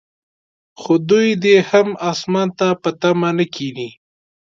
خو دوی دې هم اسمان ته په تمه نه کښیني.